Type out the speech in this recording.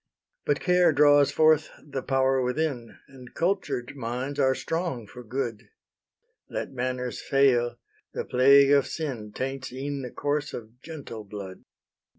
But care draws forth the power within, And cultured minds are strong for good: Let manners fail, the plague of sin Taints e'en the course of gentle blood.